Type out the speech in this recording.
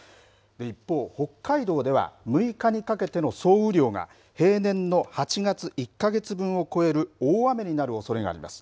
一方、北海道では６日にかけての総雨量が平年の８月１か月分を超える大雨になるおそれがあります。